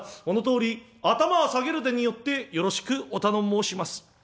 このとおり頭ぁ下げるでによってよろしくお頼申します」。